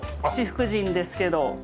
七福神ですけど。